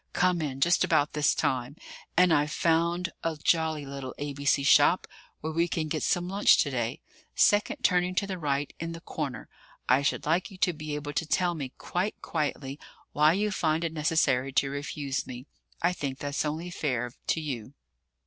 "Come in just about this time. And I've found a jolly little A.B.C. shop where we can get some lunch to day: second turning to the right, in the corner I should like you to be able to tell me, quite quietly, why you find it necessary to refuse me. I think that's only fair to you."